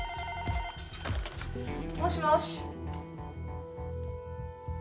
もしもし。